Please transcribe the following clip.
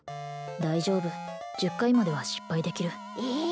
大丈夫１０回までは失敗できるええ